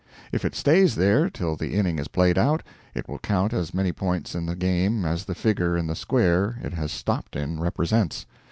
If it stays there till the inning is played out, it will count as many points in the game as the figure in the square it has stopped in represents.